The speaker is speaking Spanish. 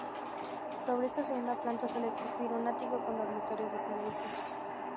Sobre esta segunda planta solía existir un ático con dormitorios de servicio.